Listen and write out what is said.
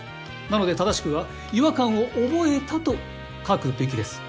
なので正しくは「違和感を覚えた」と書くべきです。